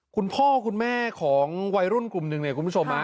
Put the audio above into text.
คุณพ่อคุณแม่ของวัยรุ่นกลุ่มหนึ่งเนี่ยคุณผู้ชม